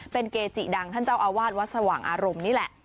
เป็นเกจิดังท่านเจ้าอาวาสวัดสว่างอารมณ์นี่แหละ